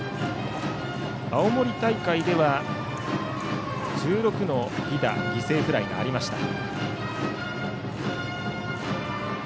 青森大会では１６の犠打犠牲フライもありました。